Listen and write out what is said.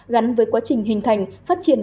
gắn với quá trình hình thành phát triển